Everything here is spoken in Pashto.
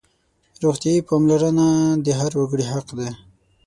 روغتیايي پاملرنه د هر وګړي حق دی.